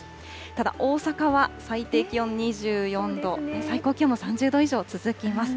ただ大阪は、最低気温２４度、最高気温も３０度以上続きます。